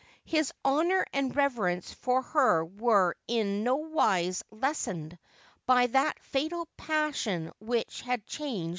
His honour and revereni^e for her were in nowise lessened by that fatal passion which had changed!